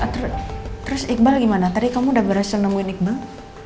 terus iqbal gimana tadi kamu udah berhasil nemuin iqbal